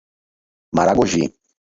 Maragogi